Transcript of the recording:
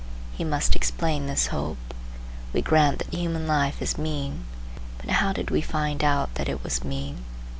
He must explain this hope. We grant that human life is mean, but how did we find out that it was mean?